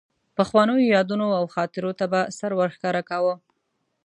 پخوانیو یادونو او خاطرو ته به سر ورښکاره کاوه.